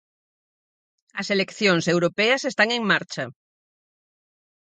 As eleccións europeas están en marcha.